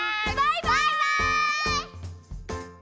バイバイ！